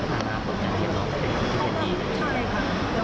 แก้งเพื่อนอะไรไม่ได้